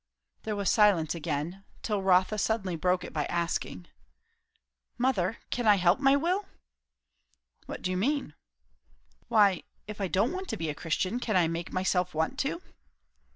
There was silence again; till Rotha suddenly broke it by asking, "Mother, can I help my will?" "What do you mean?" "Why! If I don't want to be a Christian, can I make myself want to?"